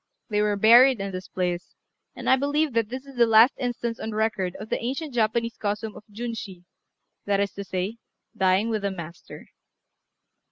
They were buried in this place; and I believe that this is the last instance on record of the ancient Japanese custom of Junshi, that is to say, "dying with the master."